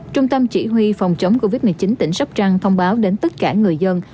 trung tâm chỉ huy phòng chống covid một mươi chín tỉnh sóc trăng thông báo đến tất cả người dân